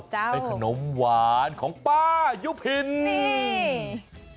เจ้าขนมหวานของป้ายู้ผินนี่